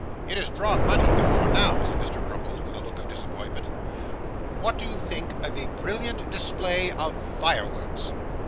'It has drawn money before now,' said Mr. Crummles, with a look of disappointment. 'What do you think of a brilliant display of fireworks?